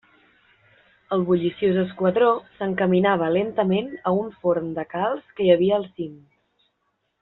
El bulliciós esquadró s'encaminava lentament a un forn de calç que hi havia al cim.